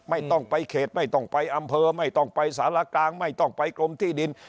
ไม่ต้องไปเขตไม่ต้องไปอำเภอไม่ต้องไปสารกลางไม่ต้องไปกรมที่ดิน